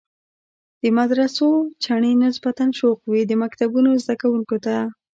د مدرسو چڼې نسبتاً شوخ وي، د مکتبونو زده کوونکو ته.